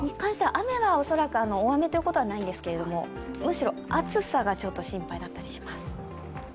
雨は恐らく大雨ということはないんですけれども、むしろ暑さがちょっと心配だったりします。